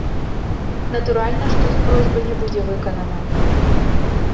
Натуральна, што іх просьба не будзе выканана.